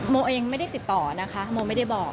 โมเองไม่ได้ติดต่อนะคะโมไม่ได้บอก